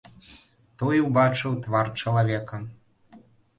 Той убачыў твар чалавека.